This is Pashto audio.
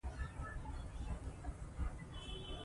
گوربته ، گل څېره ، گېډۍ ، گل څانگه ، گورگره ، گلپاڼه